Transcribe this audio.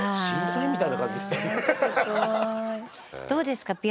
どうですか？